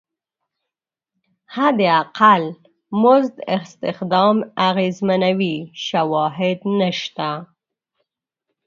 حداقل مزد استخدام اغېزمنوي شواهد نشته.